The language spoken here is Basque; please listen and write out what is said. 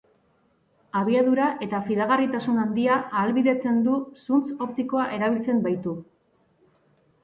Abiadura eta fidagarritasun handia ahalbidetzen du zuntz optikoa erabiltzen baitu.